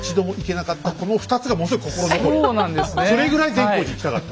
それぐらい善光寺に行きたかった。